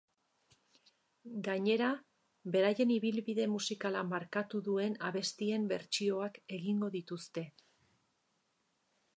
Gainera, beraien ibilbide musikala markatu duen abestien bertsioak egingo dituzte.